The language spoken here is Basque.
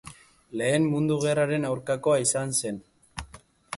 Lehen Mundu Gerraren aurkakoa izan zen.